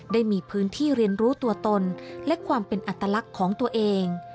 ได้มีพื้นที่เรียนรู้ตัวตนและความเป็นอัตลักษณ์ของตัวเอง